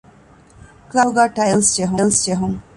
ކުލާސްރޫމްތަކުގައި ޓައިލްސް ޖެހުން